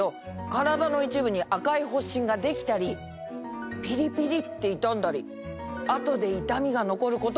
カラダの一部に赤い発疹ができたりピリピリって痛んだり後で痛みが残ることもあるんだって。